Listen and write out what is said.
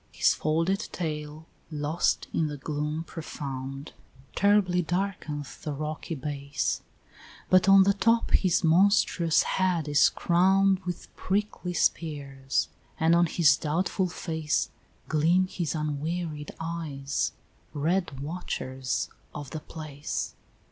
His folded tail, lost in the gloom profound, Terribly darkeneth the rocky base; But on the top his monstrous head is crown'd With prickly spears, and on his doubtful face Gleam his unwearied eyes, red watchers of the place.